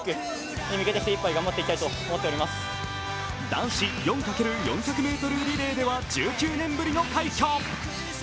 男子４×４００ｍリレーでは１９年ぶりの快挙。